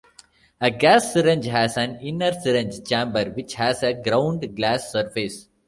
A gas syringe has an inner syringe chamber which has a ground glass surface.